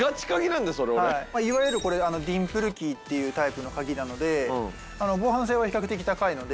いわゆるこれディンプルキーっていうタイプの鍵なので防犯性は比較的高いので。